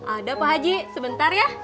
ada pak haji sebentar ya